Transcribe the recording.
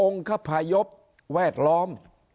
องค์คพยพแวดล้อม